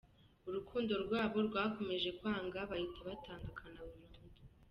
Urukundo rwabo rwakomeje kwanga bahita batandukana burundu.